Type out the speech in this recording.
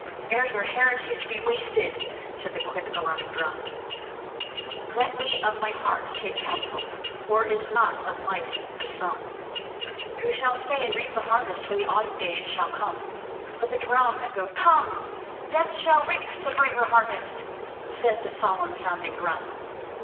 Ere your heritage be wasted," said the quick alarming drum. "Let me of my heart take counsel: War is not of life the sum; Who shall stay and reap the harvest When the autumn days shall come?" But the drum Echoed: "Come! Death shall reap the braver harvest," said the solemn sounding drum.